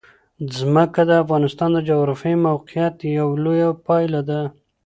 ځمکه د افغانستان د جغرافیایي موقیعت یوه لویه پایله ده.